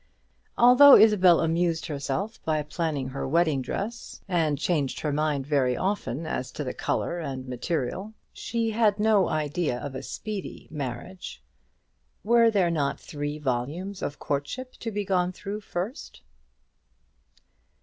Although Isabel amused herself by planning her wedding dress, and changed her mind very often as to the colour and material she had no idea of a speedy marriage. Were there not three volumes of courtship to be gone through first?